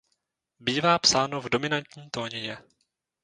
Bývá psáno v dominantní tónině.